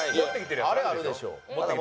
あれあるでしょ？